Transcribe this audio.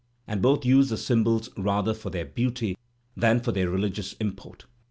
And both use the symbols rather for their beauty than for their religious import.